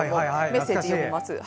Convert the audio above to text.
メッセージを読みます。